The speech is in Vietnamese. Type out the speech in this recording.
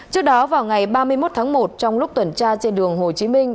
trước đó vào ngày ba mươi một tháng một trong lúc tuần tra trên đường hồ chí minh